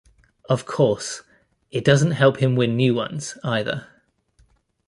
Of course, it doesn't help him win new ones, either.